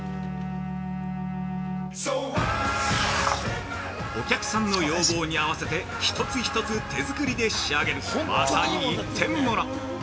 ◆お客さんの要望に合わせて、１つ１つ手作りで仕上げる、まさに１点物。